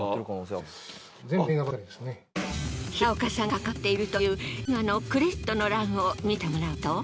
平岡さんが関わっているという映画のクレジットの欄を見せてもらうと。